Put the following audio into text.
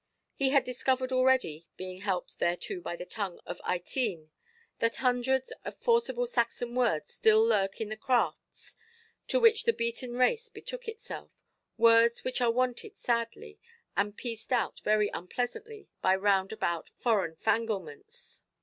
He had discovered already, being helped thereto by the tongue of Ytene, that hundreds of forcible Saxon words still lurk in the crafts to which the beaten race betook itself—words which are wanted sadly, and pieced out very unpleasantly by roundabout foreign fanglements.